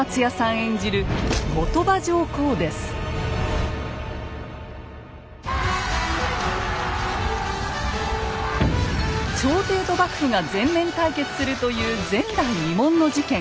演じる朝廷と幕府が全面対決するという前代未聞の事件